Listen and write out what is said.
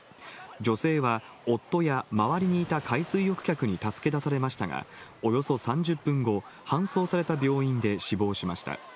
女性は夫や周りにいた海水浴客に助け出されましたが、およそ３０分後、搬送された病院で死亡しました。